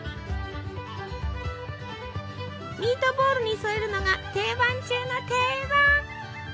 ミートボールに添えるのが定番中の定番。